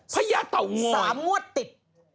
พระยาต่อง้อยสามงวดติด